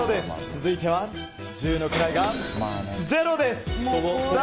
続いては十の位が０です。